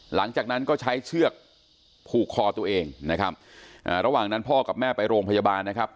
หลังจากนั้นก็ใช้เชือกผูกคอตัวเองนะครับอ่าระหว่างนั้นพ่อกับแม่ไปโรงพยาบาลนะครับ